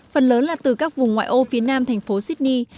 phần lớn là từ các vùng ngoại ô phía nam thành phố sydney